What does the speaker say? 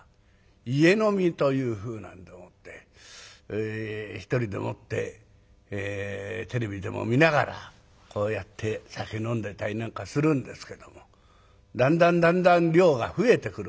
家飲みというふうなんでもって一人でもってテレビでも見ながらこうやって酒飲んでたりなんかするんですけどもだんだんだんだん量が増えてくるという。